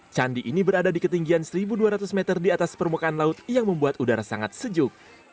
candi ini berada di ketinggian satu dua ratus meter di atas permukaan laut yang membuat udara sangat sejuk